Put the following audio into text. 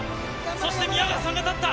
そして宮川さんが立った。